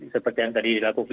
seperti yang tadi dilakukan